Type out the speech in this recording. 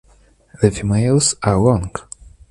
The females are long.